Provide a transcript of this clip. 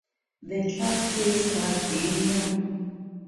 The club plays rugby union.